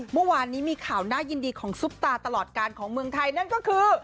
เมื่อวานนี้มีข่าวน่ายินดีของซุปตาตลอดการของเมืองไทยนั่นก็คือ